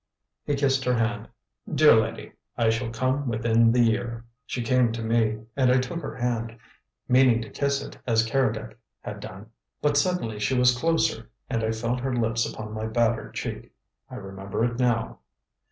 He kissed her hand. "Dear lady, I shall come within the year." She came to me, and I took her hand, meaning to kiss it as Keredec had done, but suddenly she was closer and I felt her lips upon my battered cheek. I remember it now.